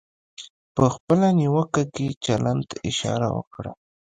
په خپله نیوکه کې چلند ته اشاره وکړئ.